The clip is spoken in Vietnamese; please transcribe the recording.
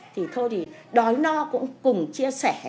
thì thôi thì đói no cũng cùng chia sẻ